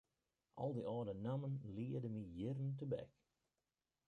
Al dy âlde nammen liede my jierren tebek.